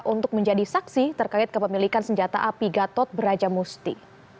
untuk menjadi saksi terkait kepemilikan senjata api gatot brajamusti